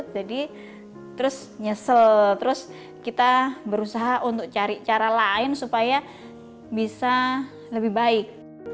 jadi terus nyesel terus kita berusaha untuk cari cara lain supaya bisa lebih baik